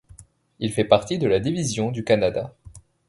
Il fait partie de la Division du Canada.